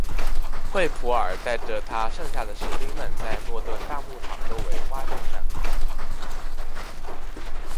惠普尔带着他剩下的士兵们在诺顿大牧场周围挖掘战壕。